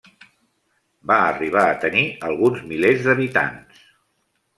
Va arribar a tenir alguns milers d'habitants.